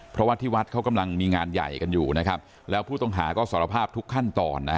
เพราะว่าที่วัดเขากำลังมีงานใหญ่กันอยู่นะครับแล้วผู้ต้องหาก็สารภาพทุกขั้นตอนนะฮะ